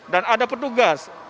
dan ada petugas